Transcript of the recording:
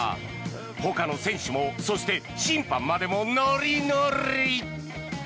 ほかの選手もそして審判までもノリノリ。